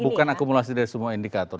bukan akumulasi dari semua indikator